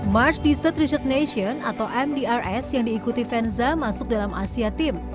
mars dessert riset nation atau mdrs yang diikuti venza masuk dalam asia team